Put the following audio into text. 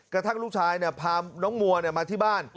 กระทั่งลูกชายพาน้องมัวมาที่บ้าน